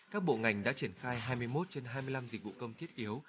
các bộ ngành đã triển khai hai mươi một trên hai mươi năm dịch vụ công thiết yếu